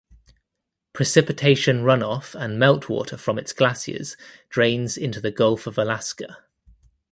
Precipitation runoff and meltwater from its glaciers drains into the Gulf of Alaska.